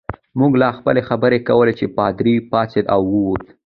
موږ لا خپلې خبرې کولې چې پادري پاڅېد او ووت.